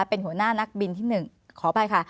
เป็นหัวหน้านักบินที่๑ขออภัยค่ะ